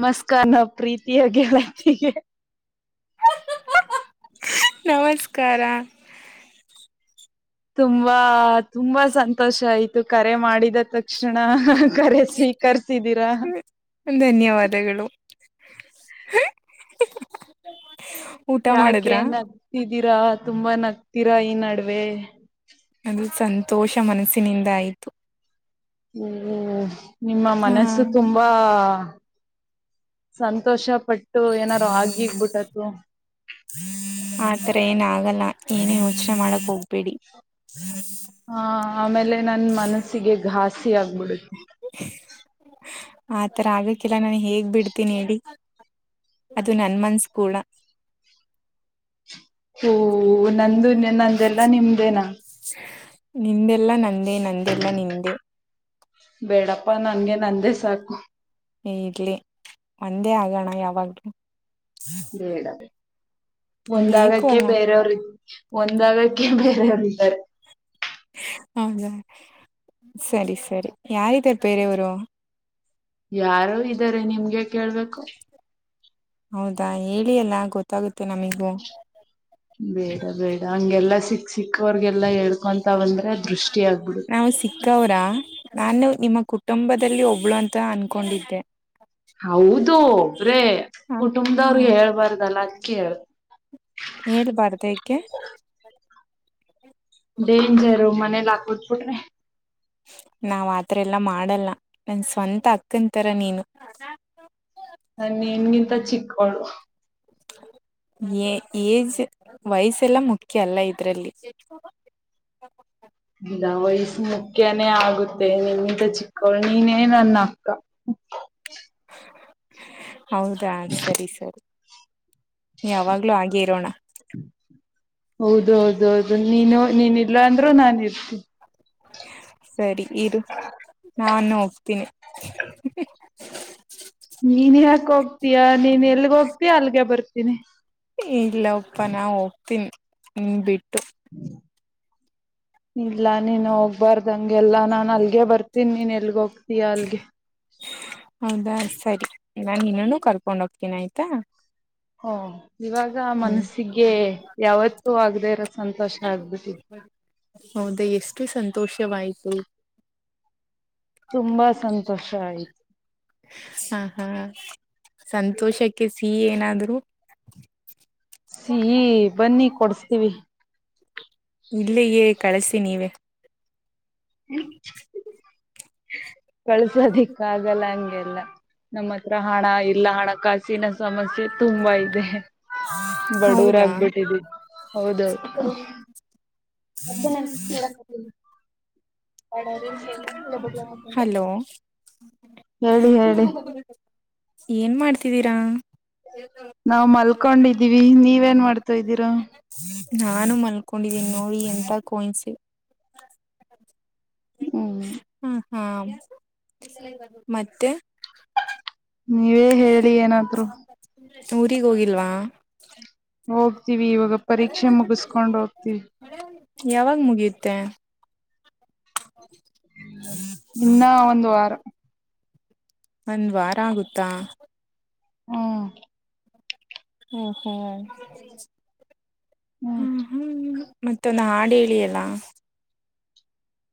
ನಮಸ್ಕಾರ ನ ಪ್ರೀತಿಯ ಗೆಳತಿಗೆ ಹ ನಮಸ್ಕಾರ ತುಂಬಾ ತುಂಬಾ ಸಂತೋಷ ಆಯ್ತು ಕರೆ ಮಾಡಿದ ತಕ್ಷಣ ಕರೆಸ ಧನ್ಯವಾದಗಳು ಊಟ ಯಾಕೆ ಮಾಡಿದ್ರ ನಗ್ತಿದ್ದೀರಾ ತುಂಬಾ ನ ತಿರಾ ಇ ನಡುವೆ ಅದು ಸಂತೋಷ ಮನಸ್ಸಿನಿಂದ ಆಯ್ತು ಹ ನಿಮ್ಮ ಹಾ ಮನಸ್ಸು ತುಂಬಾ ಸಂತೋಷ ಪಟ್ಟ ತು ಏನಾರು ಆಗ್ಗಿಗ್ಬಿಟ್ಟತು ಆತರ ಏನ ಆಗಲ್ಲ ಏನೇ ಯೋಚನೆ ಮಾಡಕ್ ಹೋಗುದು ಹಾ ಆಮೇಲೆ ನನ್ ಮನಸ್ಸಿಗೆ ಘಾಸಿ ಆಗ್ಬಿಡುತ್ತೆ ಹ ಆ ಆತರ ಆಗಕ್ಕಿಲ್ಲ ನಾನು ಹೇಗ್ ಬಿಡ್ತೀನಿ ಹೇಳಿ ಅದು ನನ್ಮನ್ಸ್ ಕೂಡ ಓ ನಂದು ನಂದೆಲ್ಲ ನಿಮ್ದೇನಾ ನಿಂದೆಲ್ಲ ನಂದೇ ನಂದೆಲ್ಲ ನಿಂದೆ ಬೇಡಪ್ಪಾ ನನ್ಗೆ ನಂದೇ ಸಾಕು ಇಡ್ಲಿ ಒಂದೇ ಆಗೋಣ ಯಾವಾಗ್ಲೂ ಬೇಡ ಬೇಕು ಒಂದಾಗಕ್ಕೆ ಅಲ್ಲ ಬೇರೆಯವ್ರ ಒಂದಾಗಕ್ಕೆ ಬೇರೆಯವ್ರ ಇದ್ದಾರೆ ಹೌದಾ ಸರಿ ಸರಿ ಯಾರ ಇದತಾರೆ ಪೇರೆವರು ಯಾರು ಇದ್ದಾರೆ ನಿಮ್ಗೆ ಕೇಳ್ಬೇಕು ಹೌದಾ ಹೇಳಿ ಅಲ್ಲ ಗೊತ್ತಾಗುತ್ತೆ ನಮಿಗೂ ಬೇಡ ಬೇಡ ಹಂಗೆಲ್ಲಾ ಸಿಕ್ಸ ಸಿಕ್ಕೋರ್ಗೆಲ್ಲಾ ಹೇಳ್ಕೊಂತ ಬಂದ್ರೆ ದೃಷ್ಟಿ ಆಗ್ಬಿಡು ನಾವು ಸಿಕ್ಕವ್ರಾ ನಾನು ನಿಮ್ಮ ಕುಟುಂಬದಲ್ಲಿ ಒಬ್ಳು ಅಂತ ಅನ್ಕೊಂಡಿದ್ದೆ ಹೌದು ಒಬ್ರೇ ಹ ಹ ಕುಟುಂಬದವರು ಹೇಳ್ಬಾರ್ದಲ್ಲ ಅದಕ್ಕೇಳ ಹೇಳ್ಬಾರ್ದು ಯಏಕೆ ಡೇಂಜರ್ ಮನೇಲಿ ಹಾಕದ್ಬುಟ್ರೆ ನಾವ್ ಆತ ಎಲ್ಲಾ ಮಾಡಲ್ಲ ನನ್ ಸ್ವಂತ ಅಕ್ಕಂತರ ನೀನು ನ ನಿನ್ಗಿಂತ ಚಿಕ್ಕಳು ಏಜ್ ವಯಸ್ಸ ಎಲ್ಲ ಮುಖ್ಯ ಅಲ್ಲ ಇದ್ರಲ್ಲಿ ಇಲ್ಲ ವಯಸ ಮುಖ್ಯನೇ ಆಗುತ್ತೆ ನಿಮಿಂತ ಚಿಕ್ಕವಳ್ಳಿ ನೀನೇ ನನ್ನ ಅಕ್ಕ ಹೌದಾ ಸರಿ ಸರಿ ಯಾವಾಗ್ಲೂ ಆಗೆ ಇರೋಣ ಹೌದ ಹೌದ ಹೌದು ನೀನು ನೀನ್ ಇಲ್ಲ ಅಂದ್ರರು ನಾನು ಇರ್ತೀನಿ ಸರಿ ಇರು ನಾನು ಹೋಗ್ತೀನಿ ನೀನ್ ಯಾಕ ಹೋಗ್ತೀಯಾ ನೀನ್ ಎಲ್ಗ ಹೋಗ್ತಯ ಅಲ್ಗೆ ಬರ್ತೀನಿ ಇಲ್ಲ ಒಪ್ಪ ನಾ ಹೋಗ್ತೀನಿ ನಿನ್ ಬಿಟ್ಟು ಹ್ಮ್ ಇಲ್ಲ ನೀನು ಹೋಗ್ಬಾರ್ದಂಗೆಲ್ಲಾ ನಾನ್ ಅಲ್ಗೆ ಬರ್ತೀನಿ ನೀನ್ ಎಲ್ಗೋಗ ಯಾರಿಗೆ ಹೌದಾ ಸರಿ ನಾನ್ ಇನ್ನನು ಕರ್ಕೊಂಡ ಹೋಗ್ತೀನಿ ಆಯ್ತಾ ಹಓ ಇವಾಗ ಹ್ಮ್ ಮನಸ್ಸಿಗೆ ಯಾವತ್ತೂ ಆಗದೆೇ ಇರತ್ತೆ ಹೌದ ಎಷ್ಟು ಸಂತೋಷವಾಯ್ತು ಹ ತುಂಬಾ ಸಂತೋಷ ಆಯ್ತು ಹ ಹಾ ಸಂತೋಷಕ್ಕೆ ಸಿಹ ಏನಾದರ ಸಹ ಬನ್ನಿ ಕೊಡ್ಸ್ತೀವಿ ಇಲ್ಲಯೇ ಕಳಸಿ ನೀವ ಹ್ಮ [unintelligible] ಕಳ್ಸೋದಿಕ್ಕ ಆಗಲ್ಲ ಹಂಗೆಲ್ಲ ನಮ್ಮ ಹತ್ರ ಹಣ ಇಲ್ಲ ಹಣಕಾಸಿನ ಸಮಸ್ಯೆ ತುಂಬಾ ಇದೆ ಬಡವರ ಹೌದಾ ಆಗ್ಬಿಟ್ಟಿದ ಹೌದೌದು ಮ ಹಲೋ ಹೇಳಿ ಹೇಳಿ ಏನ್ ಮಾಡ್ತಿದ್ದೀರಾ ನಾವವು್ ಮಲ್ಕೊಂಡಿದ್ದೀವಿ ನೀವ ನ್ ಮಾಡ್ತೋ ಇದ್ದೀರ ನಾನು ಮಲ್ಕೊಂಡಿದ್ದೀನಿ ನೋಡಿ ಎಂತ ಕಾಯಿನ್ಸ ಹ್ಮ ಹಾ ಮತ್ತೆ ನೀವೇ ಹೇಳಿ ಏನಾದ್ರು ಉಊರಿಗೋೋಗಲ್ವಾ ಹೋಗ್ತೀವಿ ಇವಾಗ ಪರೀಕ್ಷೆ ಮುಗಿಸ್ಕೊಂಡ್ ಹೋಗ್ತೀವಿ ಯಾವಾಗ ಮುಗಿ ತ್ತ ಇನ್ನ ಒಂದು ವಾರ ಒಂದ್ ವಾರ ಆಗುತ್ತಾ ಹ್ಮ ಹ್ಮ ಹಾ ಹ್ಮ್ ಹ್ಮ ಹ್ಮ ಮತ್ತೊಂದು ಹಾಡು ಹೇಳಿಯಲ್ಲ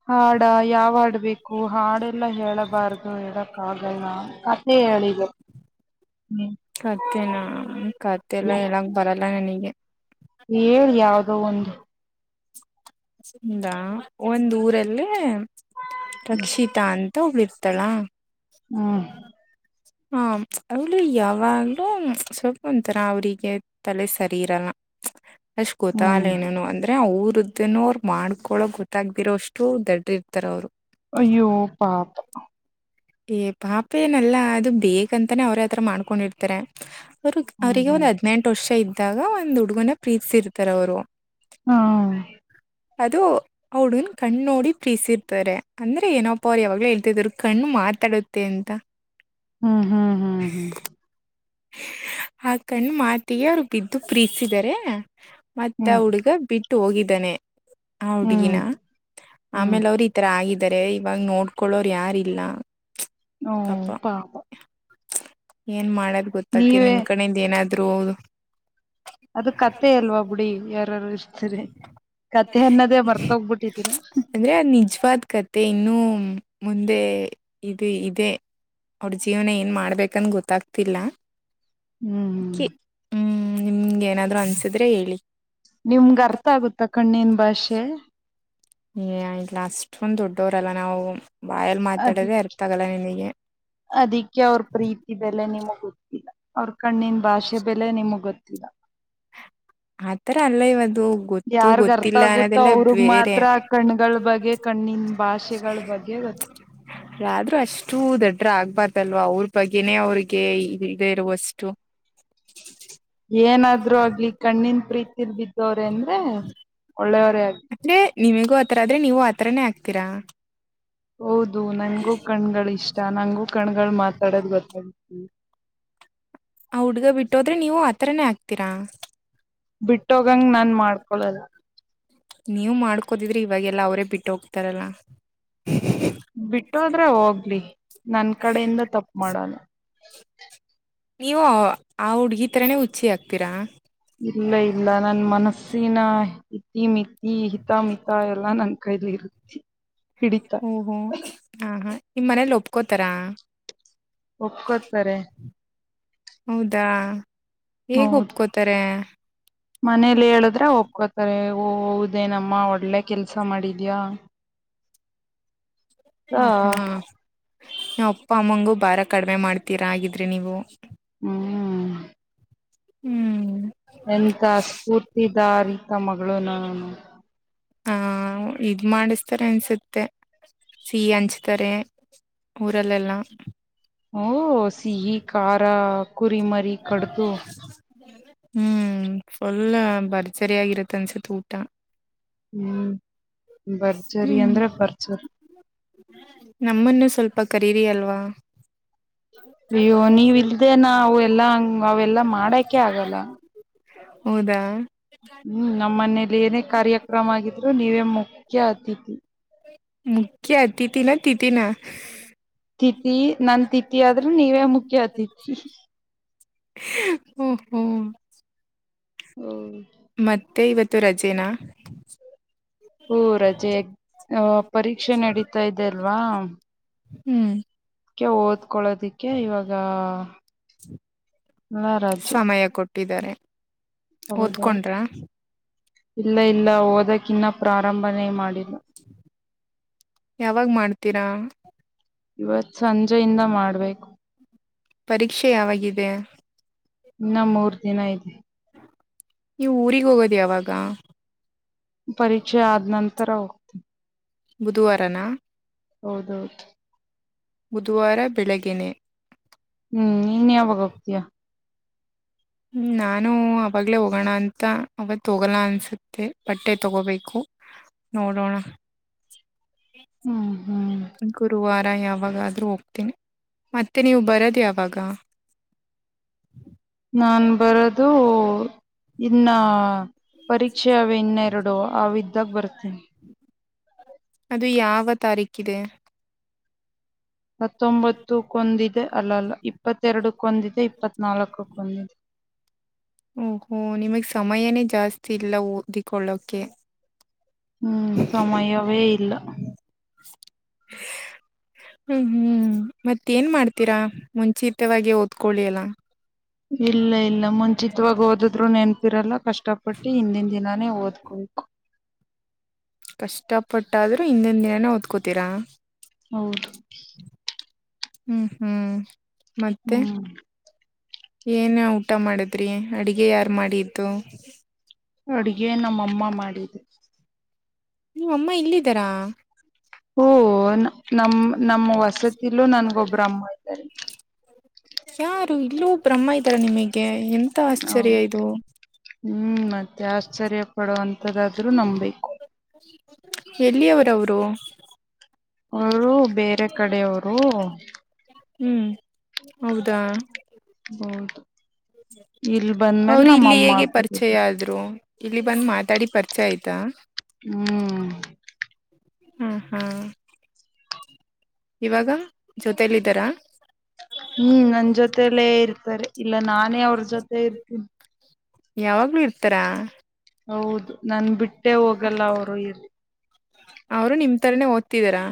ಹಾಡ ಯಾವ ಹಾಡ್ಬೇಕು ಹಾಡೆಲ್ಲಾ ಹೇಳಬಾರ್ದು ಹೇಳಕ್ ಆಗನಾ ನೀ ಹೇಳಿದ್ದ ಕತ್ತನಾ ಕತ್ತೆಲ್ಲ ಹ್ಮ್ ಹೇಳಕ್ ಬರಲ್ಲ ನನಗೆ ಹೇಳಿ ಯಾವ್ದೋ ಒಂದು ಒಂದ ಊರಲ್ಲೇ ರಕ್ಷಿತಾ ಅಂತ ಹಬ್ಳಿರ್ತ ಕಲಾ ಹ್ಮ ಹ ಅವ್ಳ ಯಾವಾಗ್ಲೂ ಸ್ವಲ್ಪ ಒಂಥರ ಅವ್ರಿಗೆ ತಲೆ ಸರಿ ಇರಲ್ಲ ಅಷ್ಟ್ ಗೊತ್ತ ಹ್ಮ್ ಅಲ್ಲ ಏನು ಅಂದ್ರೆ ಅವರುದ ಮನ ಅವ್ರು ಮಾಡ್ಕೊಳೋ ಗೊತ್ತಾಗದಿರೋ ಅಷ್ಟು ದೊಡ್ಡ ಇರ್ತಾರ ಅವ್ರು ಅಯ್ಯೋ ಪಾಪ ಏ ಪಾಪೇನಲ್ಲ ಅದು ಬೇಕಂತಾನೇ ಅವ್ರತ್ರ ಮಾಡ್ಕೊಂಡಿರ್ತಾರೆ ಅವರು ಅವರಿಗೆ ಹ್ಮ್ ಒಂದ್ ಹದ್ನೆೆಂಟು ವರ್ಷ ಇದ್ದಾಗ ಒಂದ್ ಹುಡುಗನ ಪ್ರೀತಿಸಿರ್ತಾರ ಅವ್ರು ಹಾ ಅದು ಅವಡ ಕಣ್ಣ್ ನೋಡಿ ಪೀಸರ್ತಾರೆ ಅಂದ್ರೆ ಏನಪ್ಪ ಅವರು ಯಾವಾಗ್ಲೇ ಹೇಳ್ತಿದರು ಕಣ್ಣು ಮಾಾರ್ ಮಾತಾಡುತ್ತೆ ಅಂತ ಹ್ಮ್ ಹ್ಮ್ ಹ್ಮ್ ಹ್ಮ್ ಹಾಕಂಡ ಮಾತಿಗೆ ಅವರು ಬಿದ್ದು ಪ್ರೀಸಿದಿದ್ದಾರೆ ಮತ್ತ ಹ್ಮ್ ಹುಡ್ಗ ಬಿಟ್ಟು ಹೋಗಿದ್ದಾನೆ ಹ ಹ್ಮ್ ಹ್ಮ್ ಹುಡ್ಗಿನ ಹ್ಮ್ ಹ್ಮ್ ಆಮೇಲ್ ಅವ್ರ ಈತರ ಆಗಿದ್ದಾರೆ ಇವಾಗ ನೋಡ್ಕೊಳೋರು ಯಾರಿಲ್ಲ ಓ ಪಾಪ ಪಾಪಾ ಏನ್ ಮಾಡದ್ ಗೊತ್ತಾಗ್ತಿ ನಿಮ್ ಕಡಿಂದ ಏನಾದ್ರು ಅದು ಕತೆೆ ಅಲ್ವಾ ಬಿುಡಿ ಯಾರಾರು ಇಷ್ಟ ಮರ್ತೋಗ್ಬಿಟ್ಟಿದ್ದೀರಾ ಅಂದ್ರೆ ಆ ನಿಜ್ವಾದ್ ಕತೆೆ ಇನ್ನುೂ ಮುಂದೆ ಇದು ಇದೆ ಅವ್ರ ಜೀವನ ಏನ್ ಮಾಡ್ಬೇಕನ್ ಗೊತ್ತಾಗ್ತಿಲ್ಲ ಹ್ಮ್ ಕಿ ಹ್ಮ್ ನಿಮ್ಗೆ ಏನಾದ್ರು ಅನ್ಸಿದ್ರೆ ಹೇಳಿ ನಿಮ್ಗ ಅರ್ಥ ಆಗುತ್ತ ಕಣ್ಣನ್ ಭಾಷೆ. ಏ ಆಯ್ಲ ಅಷ್ಟೊಂದ್ ದೊಡ್ಡವ್ರಲ್ಲ ನಾವು. ಬಾಯಲ್ಲಿ ಮಾತಾಡೋದೇ ಅದಿಕ್ ಅರ್ಥ ಆಗಲ್ಲ ನಿನಗೆ ಅದಿಕ್ಕೆ ಅವ್ರ ಪ್ರೀತಿ ಬೆಲೆ ನಿಮಗ್. ಗೊತ್ತಿಲ್ಲ ಅವ್ರ ಕಣ್ಣಿನ ಭಾಷೆ ಬೆಲೆ ನಿಮಗ್ ಗೊತ್ತಿಲ್ಲ. ಆತರ ಅಲ್ಲ ಇವತ್ತು ಯಾರ್ಗ್ ಅರ್ಥ ಆಗುತ್ತೋ ಅವ್ರಗ್ ಬೇರೆ ಮಾತ್ರ ಕಣ್ಗಳ ಬಗ್ಗೆ ಕಣ್ಣಿನ ಭಾಷೆಗಳ ಬಗ್ಗೆ ಲಾಗ ಯ್ರೂ ಅಷ್ಟು ದೊಡ್ಡ್ರ ಆಗ್ಬಾರ್ದಲ್ವಾ ಅವ್ರ ಬಗ್ಗೆನೇ ಅವ್ರಿಗೆ ಇದ ಇರುವಷ್ಟು ಏನಾದ್ರು ಆಗ್ಲಿಕ್ಕೆ ಕಣ್ಣನ್ ಪ್ರೀತಿರ್ ಬಿದ್ದವ್ರೇ ಅಂದ್ರೆ ಒಳ್ಳೆಯವರೇ ಆಗ ಅಂದ್ರೆ ನಿಮಗೂ ಆತರ ಆದ್ರೆ ನೀವು ಆತರಾನೇ ಆಕ್ತೀರಾ ಹೌದು ನಂಗಗೂ ಕಣ್ಗಳು ಇಷ್ಟ ನಾನ್ಂಗು ಕಣ್ಗಳು ಮಾತಾಡೋದು ಗೊತ್ತಾಗ ಆ ಹುಡ್ಗ ಬಿಟ್ಟೋದ್ರೆ ನೀವು ಆತರನೇ ಹಾಕ್ತೀರಾ ಬಿಟ್ಟ ಹೋಗಹಂಗ ನಾನ್ ಮಾಡ್ಕೊಳಲ್ಲ. ನೀವ್ ಮಾಡ್ಕೋದಿದ್ರಿ ಇವಾಗೆಲ್ಲಾ ಅವರೇ ಬಿಟ್ಟ ಹೋಗ್ತಾರಲ್ಲ. ಬಿಟ್ಟೋದ್ರೆ ಹೋಗ್ಲಿ ನನ್ ಕಡೆಯಿಂದ ತಪ್ಪ ಮಾಡಲ್ಲ ನೀವು ಆ ಹುಡ್ಗಿ ತರನೇ ಹುಚ್ಚಿ ಆಗ್ತೀರಾ. ಇಲ್ಲ ಇಲ್ಲ ನನ್ ಮನಸ್ಸಿನ ಇತಿ ಮಿತಿ ಹಿತ ಮಿತ ಎಲ್ಲಾ ನನ್ ಕೈಲಿ. [inaudible] ಓಹೋ ಹಾ ಹಾ ನಿಮ್ಮ್ ಮನೇಲಿ ಒಪ್ಕೋತಾರಾ. ಒಪ್ಕೊತಾರೆ. ಹೌದಾ ಹೇಗ್ ಹೌದು ಒಪ್ಕೋತಾರೆ. ಮನೇಲಿ ಹೇಳುದ್ರೆ ಒಪ್ಕೋತಾರೆ ಓಹ್ ಹೌದ ಏನ್ ಅಮ್ಮ ಒಳ್ಳೆ ಕೆಲ್ಸ ಮಾಡಿದ್ದೀಯಾ. ಹ ಹಾ ನಿಮ್ ಅಪ್ಪ ಅಮ್ಮಂಗೂ ಬಾರ ಕಡಿಮೆ ಮಾಡ್ತೀರಾ ಹಾಗಗಿದ್ರೆ ನೀವು. ಹ್ಮ್. ಹ್ಮ್. ಎಂತ ಸ್ಫೂರ್ತಿದಾರ ಅಂತ ಮಗಳು ನಾನು. ಹಾ ಇದ್ ಮಾಡಿಸತಾರೆ ಅನ್ಸುತ್ತೆ. ಸಿಹಿ ಹಂಚ್ತಾರೆ ಊರಲ್ ಎಲ್ಲಾ. ಓ ಸಿಹಿ ಖಾರ ಕುರಿ ಮರಿ ಕಡ್ದು. ಹ್ಮ್ ಫುಲ್ ಭರ್ಜರಿ ಆಾಗಿರತ್ತ ಅನ್ಸತ್ ಊಟ. ಹ್ಮ್ ಭರ್ಜರಿ ಹ್ಮ್ ಅಂದ್ರೆ ಭರ್ಜರಿ. ನಮ್ಮನ್ನು ಸ್ವಲ್ಪ ಕರೀರಿ ಅಲ್ವಾ. ಅಯ್ಯೋ ನೀವ ಇಲ್ದೆೇನಾ ಅವ ಎಲ್ಲಾ ಹಂಗ ಅವೆಲ್ಲಾ ಮಾಡಕೆ ಆಗಲ್ಲ. ಹೌದಾ. ಹ್ಮ್ ನಮ್ಮ ಮನೇಲಿ ಏನೇ ಕಾರ್ಯಕ್ರಮ ಆಗಿದ್ರು ನೀವೇ ಮುಖ್ಯ ಅತಿಥಿ. ಮುಖ್ಯ ಅತಿಥಿನ ತಿಥಿನ. ತಿಥಿ ನನ್ ತಿಥಿ ಆದ್ರೆ ನೀವೇ ಮುಖ್ಯ ಅತಿಥಿ. ಹ್ಮ್ ಹ್ಮ್. ಓಹ್. ಮತ್ತೆ ಇವತ್ತು ರಜೆನಾ. ಹೂ ರಜೆ ಅ ಪರೀಕ್ಷೆ ನಡೀತಾ ಇದೆ ಅಲ್ವಾ. ಹ್ಮ್. ಕ್ಕೆ ಓದಿಕೊಳ್ಳುವುದಕ್ಕೆ ಇವಾಗ. ಎಲ್ಲ ರಜೆ ಸಮಯ ಕೊಟ್ಟಿದ್ದಾರೆ. ಹೌದೌದು ಓದ್ಕೊಂಡ್ರ. ಇಲ್ಲ ಇಲ್ಲ ಓದಕ ಇನ್ನ ಪ್ರಾರಂಭನೇ ಮಾಡಿಲ್ಲ. ಯಾವಾಗ್ ಮಾಡ್ತೀರಾ. ಇವತ್ ಸಂಜೆಯಿಂದ ಮಾಡ್ಬೇಕು. ಪರೀಕ್ಷೆ ಯಾವಾಗಿದೆ. ಇನ್ನ ಮೂರ್ ದಿನ ಇದೆ ನೀವು ಊರಿಗೆ ಹೋಗೋದ ಯಾವಾಗ ಪರೀಕ್ಷೆ ಆದ ನಂತರ ಹೋಗ್ತೀನಿ ಬುಧವಾರನ ಹೌದ ಹೌದು. ಬುಧವಾರ ಬೆಳಗೆ ನೆ. ಹ್ಮ್ ನೀನ್ ಯಾವಾಗ ಹೋಗ್ತಯಾ. ಹ್ಮ್ ನಾನು ಅವಾಗ್ಲೇ ಹೋಗೋಣ ಅಂತ ಅವತ ಹೋಗಲ್ಲ ಅನ್ಸುತ್ತೆ ಬಟ್ಟೆ ತಗೋಬೇಕು. ನೋಡೋಣ. ಹ್ಮ್ ಹ್ಮ್ ಗುರುವಾರ. [unintelligible] ಯಾವಾಗಾದ್ರೂ ಹೋಗ್ತನಿ ಮತ್ತೆ ನೀವು ಬರದ ಯಾವಾಗ. ನಾನ ಬರೋದು. ಇನ್ನ ಪರೀಕ್ಷೆಾವೇ ಇನ್ನೆರಡು ಅವ ಈದ್ಗಾ ಬರ್ತೀನಿ. ಅದು ಯಾವ ತಾರೀಕಿದೆ. ಹತ್ತೊಂಬತ್ತು ಕೊಂದದಿ. ಅಲ್ಲ ಅಲ್ಲ ಇಪ್ಪತ್ತೆರಡು ಕೊಂದಿದೆ ಇಪ್ಪತ್ ನಾಲ್ಕು ಕೊಂದಿದೆ ಓಹೋ ನಿಮಗ್ ಸಮಯನೇ ಜಾಸ್ತಿ ಇಲ್ಲ ಓದಿಕೊಳ್ಳೋಕೆ. ಹ್ಮ್ ಸಮಯವೇ ಇಲ್ಲ ಹ್ಮ್ ಹ್ಮ್ ಮತ್ತೇಏನ್ ಮಾಡ್ತೀರಾ ಮುಂಚಿತವಾಗಿ ಓದ್ಕೊಳಿ ಎಲ್ಲ ಇಲ್ಲ ಇಲ್ಲ ಮುಂಚತ್ವವಾಗಿ ಓದಿದ್ರು ನೆನ್ಪಿರಲ್ಲ ಕಷ್ಟಪಟ್ಟು ಹಿಂದಿನ ದಿನಾನೇ ಓದ ಹ ಕಷ್ಟ ಪಟ್ಟಾದ್ರರು ಹಿಂದಿನ ದಿನಾನೇ ಓದ್ಕೋತೀರಾ ಹೌದು. ಹ್ಮ್ ಹ್ಮ್ ಹ್ಮ್ ಏನ್ ಊಟ ಮಾಡದ್ರಿ ಅಡಗೆ ಯಾರ್ ಮಾಡಿದ್ದು ಅಡುಗೆ ನಮ್ಮಮ್ಮ ಮಾಡಿದ್ದೆ ನೀವ ಅಮ್ಮ ಇಲ್ಲಿದ್ದರಾ. ಓ ನಮ ನಮ್ಮ ವಸತಿಲ್ಲೂ ನನ್ಗೊಬ್ಬ್ರ ಅಮ್ಮ ಇದ್ದಾರೆ. ಯಾರು ಇಲ್ಲೂ ಒಬ್ಬರ ಅಮ್ಮ ಇದಾರ ನಿಮಗೆ ಎಂತ ಹೌದು ಆಶ್ಚರ್ಯ ಇದು ಹ್ಮ್ ಮತ್ತೆ ಆಶ್ಚರ್ಯ ಪಡುವಂತ ಹದಾದ್ರೂ ನಂಬಬೇಕು ಎಲ್ಲಿಯವರವರು ಅವರು ಬೇರೆ ಕಡೆ ಅವರು. ಹ್ಮ್ ಹೌದಾ ಬೌದು ಅವರು ಇಲ್ಲಿ ಅಮ್ಮ ಹೇಗೆ ಆಗ್ಬದು ಪರಿಚಯ ಆದ್ರು ಇಲ್ಲಿ ಬಂದ್ ಮಾತಾಡಿ ಪರಿ ಚಾ ಆಯ್ತಾ ಹ್ಮ್ ಹಾ ಹಾ ಇವಾಗ ಜೊತೆಯಲ್ಲಿ ಇದ್ದಾರಾ ಹ್ಮ್ ನನ್ ಜೊತಲ್ಲೇ ಇರ್ತಾರೆ ಇಲ್ಲ ನಾನೇ ಅವ್ರ್ ಜೊತೆ ಇರ್ತೀನಿ ಯಾವಾಗ್ಲೂ ಇರ್ತಾರಾ ಹೌದು ನನ್ ಬಿಟ್ಟೆ ಹೋಗಲ್ಲ ಅವರು ಎಲ್ಲಿ ಅವರು ನಿಮ್ ತರನೇ ಓದ್ತಿದೀರಾ